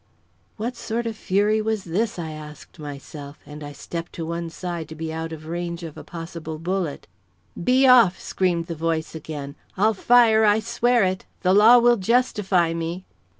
What sort of fury was this, I asked myself, and I stepped to one side to be out of range of a possible bullet. "Be off!" screamed the voice again. "I'll fire, I swear it! The law will justify me."